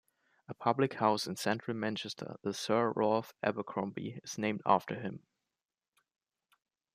A public house in central Manchester, the 'Sir Ralph Abercromby', is named after him.